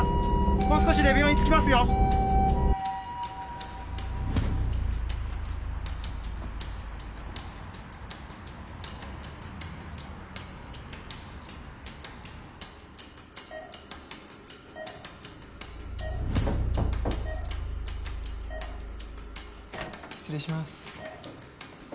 もう少しで病院着きますよ失礼します